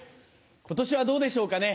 今年はどうでしょうかね。